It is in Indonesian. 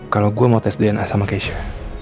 kalau gue mau tes dna sama keisha